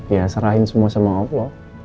ya serahin semua sama allah